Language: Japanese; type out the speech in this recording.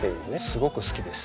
すごく好きです。